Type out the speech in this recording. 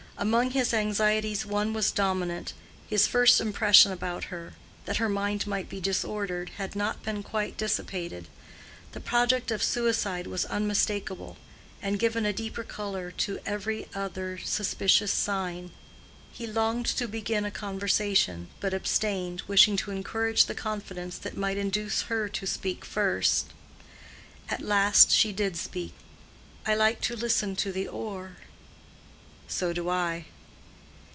Among his anxieties one was dominant: his first impression about her, that her mind might be disordered, had not been quite dissipated: the project of suicide was unmistakable, and given a deeper color to every other suspicious sign. He longed to begin a conversation, but abstained, wishing to encourage the confidence that might induce her to speak first. At last she did speak. "I like to listen to the oar." "So do I."